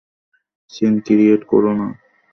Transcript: Scene create কোরো না।